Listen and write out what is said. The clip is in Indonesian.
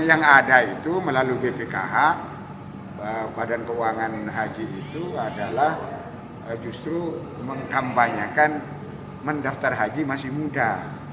yang ada itu melalui bpkh badan keuangan haji itu adalah justru mengkampanyekan mendaftar haji masih muda